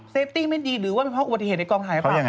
ติ้งไม่ดีหรือว่าเป็นเพราะอุบัติเหตุในกองถ่ายหรือเปล่า